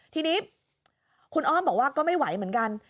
ทีนี้คุณอ้อมบอกว่าก็ไม่ไหวเหมือนกัน